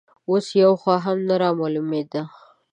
اوس یوه خوا هم نه رامالومېده